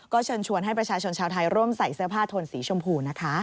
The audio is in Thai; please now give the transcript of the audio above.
เชิญชวนให้ประชาชนชาวไทยร่วมใส่เสื้อผ้าโทนสีชมพูนะคะ